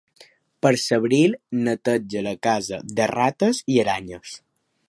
Per l'abril neteja la casa de rates i aranyes.